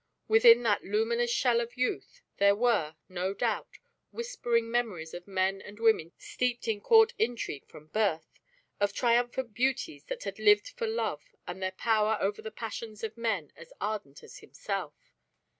Within that luminous shell of youth there were, no doubt, whispering memories of men and women steeped in court intrigue from birth, of triumphant beauties that had lived for love and their power over the passions of men as ardent as himself.